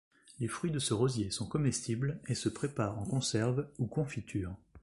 Les fruits de ce rosier sont comestibles et se préparent en conserves ou confitures.